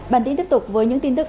bản tin tiếp tục với những tin tức